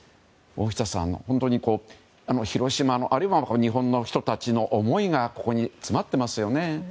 大下さん、広島のあるいは日本の人たちの思いがここに詰まっていますよね。